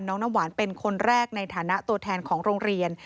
น้ำหวานเป็นคนแรกในฐานะตัวแทนของโรงเรียน